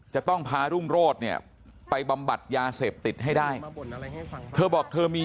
จะต้องพารุ่งโรธเนี่ยไปบำบัดยาเสพติดให้ได้เธอบอกเธอมี